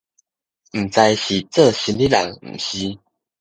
毋知是做生理人毋是